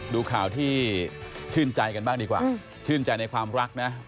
ดูข่าวที่ชื่นใจกันบ้างดีกว่าชื่นใจในความรักนะ